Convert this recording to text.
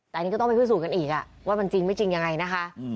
แต่อันนี้ก็ต้องไปพิสูจนกันอีกว่ามันจริงไม่จริงยังไงนะคะ